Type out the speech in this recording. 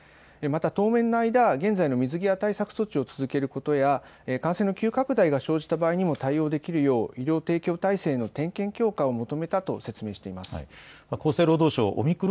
また当面の間、現在の水際対策の措置を続けることや感染の緊急拡大が生じた場合にも対応できるよう医療提供体制の点検強化を求めたと説明しています。